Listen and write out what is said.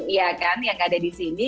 iya kan yang ada di sini